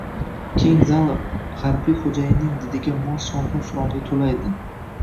Keng zal G`arblik xo`jayinning didiga mos shovqin-suronga to`la edi